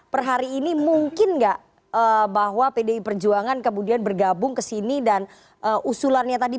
perhari ini mungkin enggak bahwa pdi perjuangan kemudian bergabung kesini dan usulannya tadi